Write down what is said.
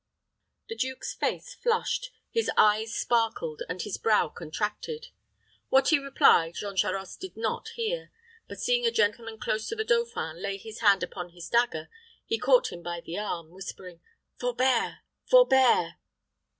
The duke's face flushed, his eyes sparkled, and his brow contracted. What he replied, Jean Charost did not hear; but seeing a gentleman close to the dauphin lay his hand upon his dagger, he caught him by the arm, whispering, "Forbear! forbear!"